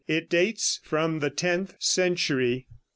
It dates from the tenth century.